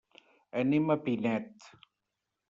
Anem a Pinet.